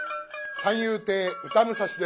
三遊亭歌武蔵です。